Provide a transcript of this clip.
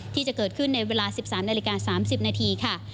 ที่จะเกิดขึ้นในเวลา๑๓นาฬิกา๓๐นาทีค่ะ